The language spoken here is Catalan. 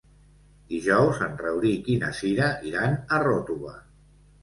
Dijous en Rauric i na Cira iran a Ròtova.